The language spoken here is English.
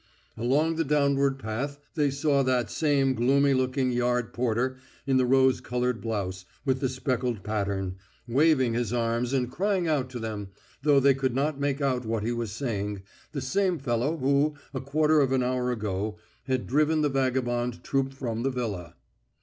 Along the downward path they saw that same gloomy looking yard porter in the rose coloured blouse with the speckled pattern, waving his arms and crying out to them, though they could not make out what he was saying, the same fellow who, a quarter of an hour ago, had driven the vagabond troupe from the villa.